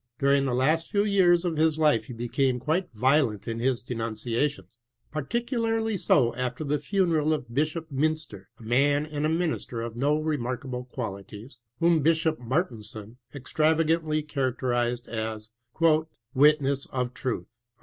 During the last few years of his life he became quite vio lent in his denunciations, particularly so after the funeral of Bishop flynster, a man and a minister of no remarkable qualities, whom Bishop Martensen extravagantly char acterized as a " witness of truth."